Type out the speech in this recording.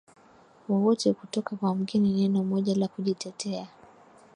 wowote kutoka kwa mgeni Neno moja la kujitetea